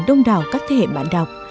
đông đảo các thế hệ bạn đọc